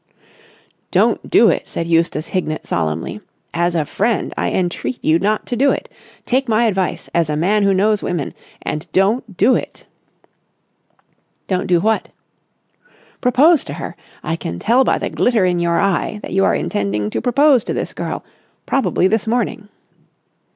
"Don't do it!" said Eustace Hignett solemnly. "As a friend I entreat you not to do it. Take my advice, as a man who knows women, and don't do it!" "Don't do what?" "Propose to her. I can tell by the glitter in your eye that you are intending to propose to this girl—probably this morning."